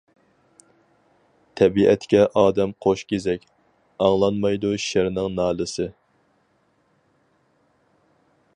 تەبىئەتكە ئادەم قوش كېزەك، ئاڭلانمايدۇ شىرنىڭ نالىسى.